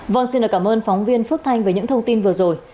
vâng xin cảm ơn phóng viên phước thanh với những thông tin vừa rồi